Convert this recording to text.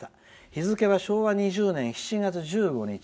日付は昭和２０年７月１５日。